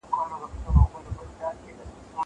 که وخت وي، موسيقي اورم.